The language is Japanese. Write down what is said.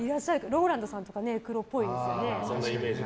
ＲＯＬＡＮＤさんとか黒っぽいですよね。